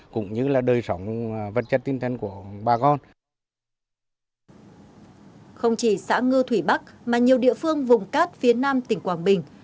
cũng như là đời sống vật chất tinh thần của bà con